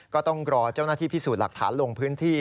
ก็ต้องรอเจ้าหน้าที่พิสูจน์หลักฐานลงพื้นที่